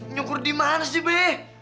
nyungkur dimana sih be